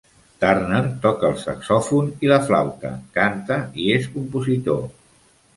Turner toca el saxofon i la flauta, canta i és compositor.